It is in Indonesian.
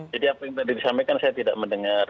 jadi apa yang tadi disampaikan saya tidak mendengar